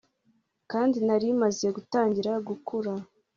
kandi nari maze gutangira gukura